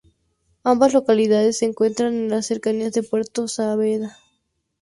Ambas localidades se encuentran en las cercanías de Puerto Saavedra.